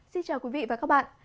xin chào quý vị và các bạn